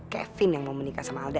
kevin yang mau menikah sama alda